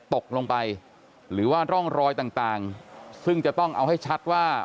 ตกลงไปหรือว่าร่องรอยต่างซึ่งจะต้องเอาให้ชัดว่า